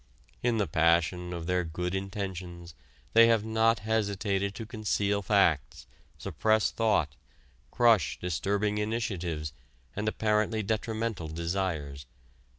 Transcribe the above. In the passion of their good intentions they have not hesitated to conceal facts, suppress thought, crush disturbing initiatives and apparently detrimental desires.